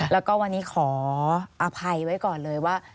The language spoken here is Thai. แล้วก็วันนี้ขออภัยไว้ก่อนเลยว่า